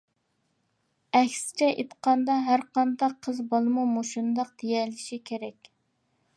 ئەكسىچە ئېيتقاندا، ھەرقانداق قىز بالىمۇ مۇشۇنداق دېيەلىشى كېرەك.